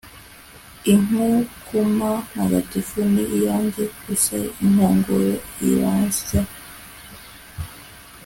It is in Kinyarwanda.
inkukuma ntagatifu ni iyanjye gusa inkongoro iransya